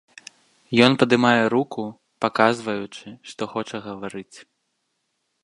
Ён падымае руку, паказваючы, што хоча гаварыць.